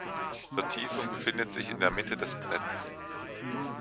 Vertiefung befindet sich in der Mitte des Bretts.